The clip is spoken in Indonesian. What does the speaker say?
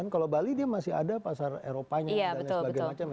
kalau bali dia masih ada pasar eropanya dan lain sebagainya